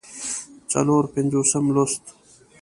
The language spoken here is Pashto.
څلور پينځوسم لوست